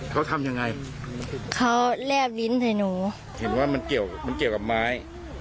เขาทำยังไงเขาแลบลิ้นให้หนูเห็นว่ามันเกี่ยวมันเกี่ยวกับไม้